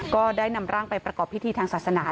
ก็ได้นำร่างไปประกอบพิธีทางศาสนา